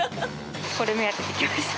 これ目当てで来ました。